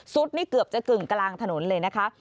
นี่เกือบจะกึ่งกลางถนนเลยนะคะ